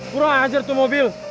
kurang ajar tuh mobil